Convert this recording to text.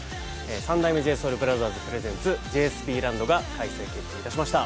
「三代目ＪＳＯＵＬＢＲＯＴＨＥＲＳＰＲＥＳＥＮＴＳ“ＪＳＢＬＡＮＤ”」が開催決定いたしました